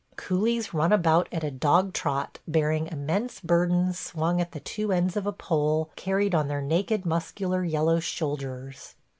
Coolies run about at a dog trot bearing immense burdens swung at the two ends of a pole carried on their naked muscular yellow shoulders.